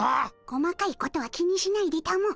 細かいことは気にしないでたも。